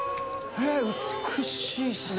美しいっすね。